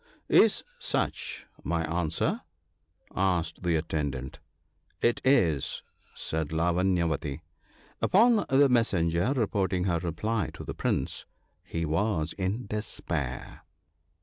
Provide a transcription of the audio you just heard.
" Is such my answer ?" asked the attendant. " It is," said Lavanyavati. Upon the messenger reporting her reply to the Prince, he was in despair.